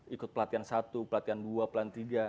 ikut pelatihan satu pelatihan dua pelatihan tiga